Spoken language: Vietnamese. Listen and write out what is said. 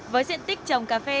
với diện tích trồng cà phê